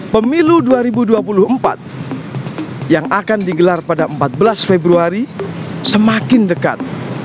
pemilu dua ribu dua puluh empat yang akan digelar pada empat belas februari semakin dekat